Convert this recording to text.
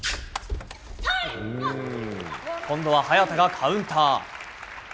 今度は早田がカウンター。